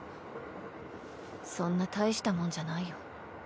そんな大したもんじゃないよ。